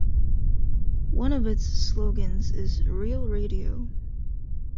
One of its slogans is Real Radio.